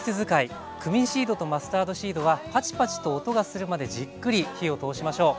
クミンシードとマスタードシードはパチパチと音がするまでじっくり火を通しましょう。